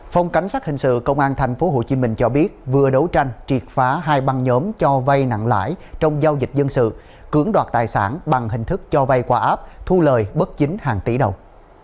phòng cảnh sát hình sự công an tp hcm cho biết vừa đấu tranh triệt phá hai băng nhóm cho vay nặng lãi trong giao dịch dân sự cưỡng đoạt tài sản bằng hình thức cho vay qua app thu lời bất chính hàng tỷ đồng